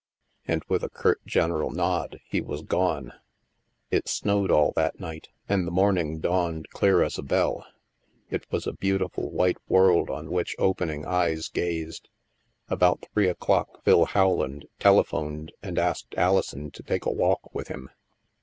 And with a curt general nod, he was gone. It snowed all that night, and the morning dawned clear as a bell. It was a beautiful white world on which opening eyes gazed. About three o'clock Phil Rowland telephoned and asked Alison to take a walk with him.